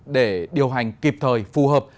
để điều hành kịp thời phù hợp